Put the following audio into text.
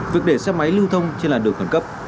việc để xe máy lưu thông trên làn đường khẩn cấp